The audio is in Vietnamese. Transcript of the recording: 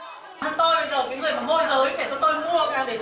tôi bây giờ cũng rời vào môi giới để tôi mua để tôi tham gia hợp đồng này